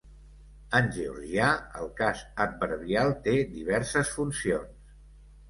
En georgià, el cas adverbial té diverses funcions.